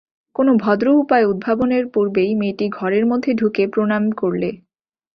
কোনো ভদ্র উপায় উদ্ভাবনের পূর্বেই মেয়েটি ঘরের মধ্যে ঢুকে প্রণাম করলে।